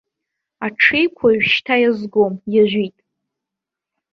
Аҽеиқәа уажәшьҭа иазгом, иажәит.